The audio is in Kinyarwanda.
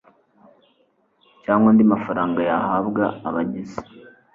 cyangwa andi mafaranga yahabwa abagize